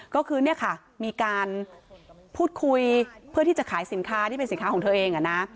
ก็คือเนี่ยค่ะมีการพูดคุยเพื่อที่จะขายสินค้าที่เป็นสินค้าของเธอเอง